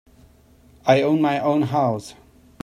I own my own house.